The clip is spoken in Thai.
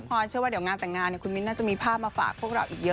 อยเชื่อว่าเดี๋ยวงานแต่งงานคุณมิ้นน่าจะมีภาพมาฝากพวกเราอีกเยอะ